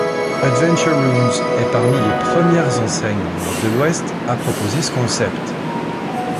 AdventureRooms est parmi les premières enseignes en Europe de l'Ouest à proposer ce concept.